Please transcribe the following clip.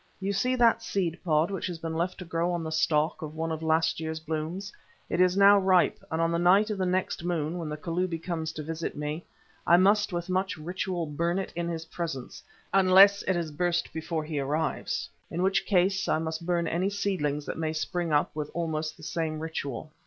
You see that seed pod which has been left to grow on the stalk of one of last year's blooms. It is now ripe, and on the night of the next new moon, when the Kalubi comes to visit me, I must with much ritual burn it in his presence, unless it has burst before he arrives, in which case I must burn any seedlings that may spring up with almost the same ritual."